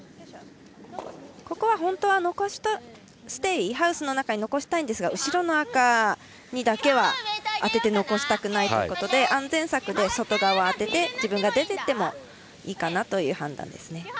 ここは本当はステイハウスの中に残したいんですが後ろの赤にだけは当てて残したくないということで安全策で、外側に当てて自分が出ていってもいいかなという判断ですね。